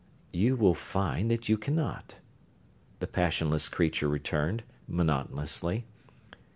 "You will find that you cannot," the passionless creature returned, monotonously.